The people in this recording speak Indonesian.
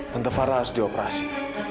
tante farah harus dioperasi